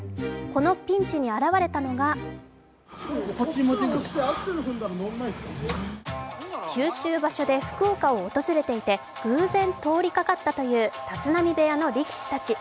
このピンチに現れたのが九州場所で福岡を訪れていて、偶然通りかかったという立浪部屋の力士たち。